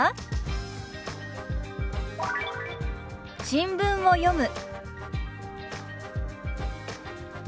「新聞を読む」。